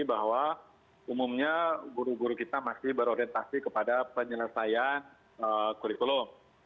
bahwa umumnya guru guru kita masih berorientasi kepada penyelesaian kurikulum